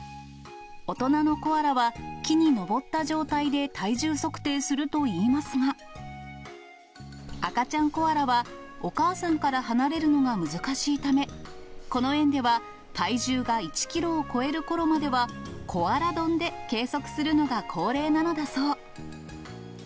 大人のコアラは木に登った状態で体重測定するといいますが、赤ちゃんコアラはお母さんから離れるのが難しいため、この園では体重が１キロを超えるころまでは、コアラ丼で計測するのが恒例なのだそう。